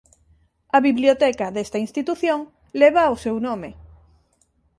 A Biblioteca desta Institución leva o seu nome.